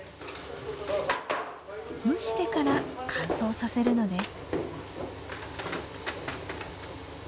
蒸してから乾燥させるのです。